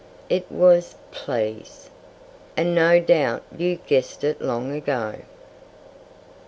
It was "Please!" And no doubt you guessed it long ago.